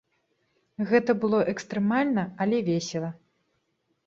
Гэта было экстрэмальна, але весела.